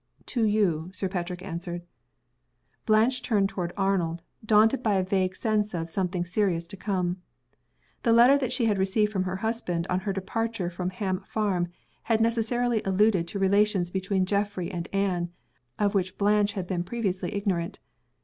"To you," Sir Patrick answered. Blanche turned toward Arnold, daunted by a vague sense of something serious to come. The letter that she had received from her husband on her departure from Ham Farm had necessarily alluded to relations between Geoffrey and Anne, of which Blanche had been previously ignorant.